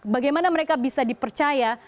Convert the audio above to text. bagaimana mereka bisa dipercaya